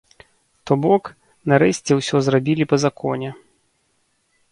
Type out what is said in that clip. То бок, нарэшце ўсё зрабілі па законе.